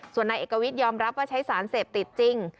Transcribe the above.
ส่วนนายเอกวิทยอมรับว่าใช้สารเสพติดจริง